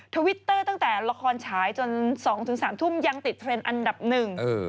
ทวิตเตอร์ตั้งแต่ละครฉายจน๒๓ทุ่มยังติดเทรนด์อันดับหนึ่ง